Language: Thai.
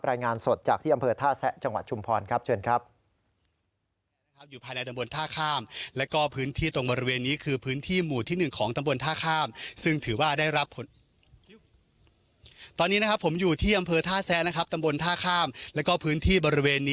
รายงานสดจากที่อำเภอท่าแซะจังหวัดชุมพรครับเชิญครับ